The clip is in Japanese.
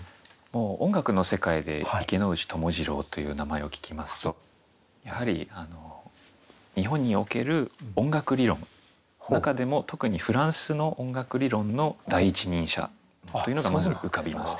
音楽の世界で池内友次郎という名前を聞きますとやはり日本における音楽理論中でも特にフランスの音楽理論の第一人者というのがまず浮かびます。